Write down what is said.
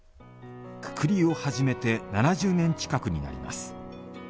くくりを始めて７０年近くになります。